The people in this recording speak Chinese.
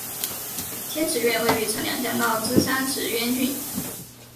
天池院位于朝鲜的两江道之三池渊郡。